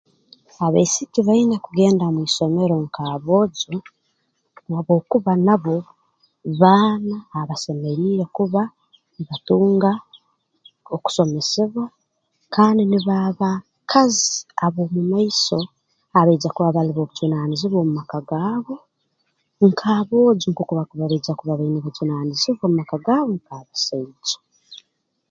Abaisiki baine kugenda mu isomero nk'aboojo habwokuba nabo baana abasemeriire kuba mbatunga okusomesebwa kandi nubo aba kazi ab'omu maiso abaija kuba bali b'obujunaanizibwa mu maka gaabo nk'aboojo nk'oku baija kuba baina obujunaanizibwa mu maka gaabo nk'abasaija